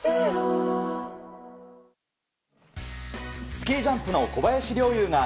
スキージャンプの小林陵侑が